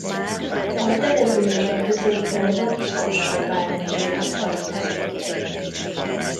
A település a középkorban Krassó vármegyéhez tartozott.